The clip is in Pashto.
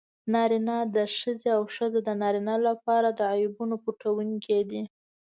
نارینه د ښځې او ښځه د نارینه لپاره د عیبونو پټوونکي دي.